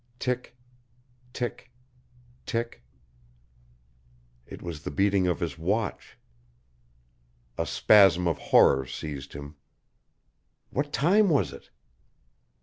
Tick tick tick! It was the beating of his watch. A spasm of horror seized him. What time was it?